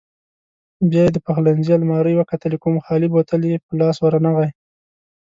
بیا یې د پخلنځي المارۍ وکتلې، کوم خالي بوتل یې په لاس ورنغی.